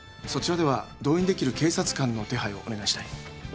そちらでは動員できる警察官の手配をお願いしたい。